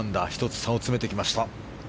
１つ差を詰めてきました。